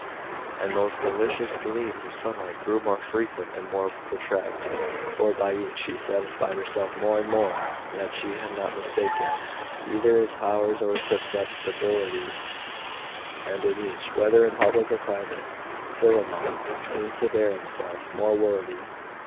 And those delicious gleams of sunlight grew more frequent and more protracted; for by each she satisfied herself more and more that she had not mistaken either his powers or his susceptibilities: and in each, whether in public or private, Philammon seemed to bear himself more worthily.